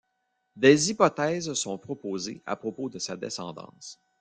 Des hypothèses sont proposés à propos de sa descendance.